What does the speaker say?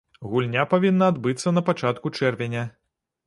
Гульня павінна адбыцца на пачатку чэрвеня.